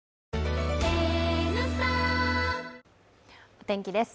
お天気です。